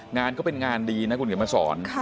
งานก็เป็นงานดีนะคุณเขียนมาสอน